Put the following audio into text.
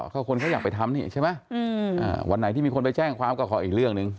ก็คนเขาอยากไปทำนี่ใช่ไหมวันไหนที่มีคนไปแจ้งความก็ขออีกเรื่องหนึ่ง